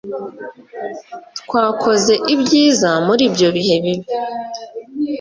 Twakoze ibyiza muribyo bihe bibi